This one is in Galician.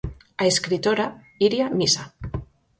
A escritora Iria Misa.